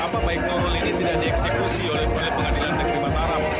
kenapa baik nuril ini tidak dieksekusi oleh pengadilan negeri bataram